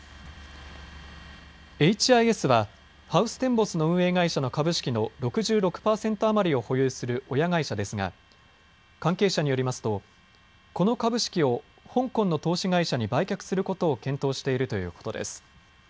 エイチ・アイ・エスはハウステンボスの運営会社の株式の６６％余りを保有する親会社ですが関係者によりますとこの株式を香港の投資会社に売却することを検討しているということです。